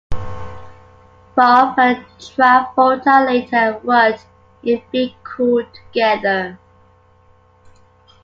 Vaughn and Travolta later worked in "Be Cool" together.